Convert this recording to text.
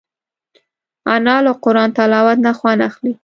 انا له قرآن تلاوت نه خوند اخلي